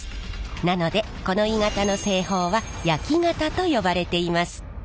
なのでこの鋳型の製法は焼型と呼ばれています。